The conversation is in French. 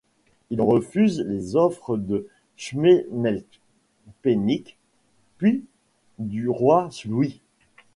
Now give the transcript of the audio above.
Il refuse les offres de Schimmelpenninck puis du roi Louis.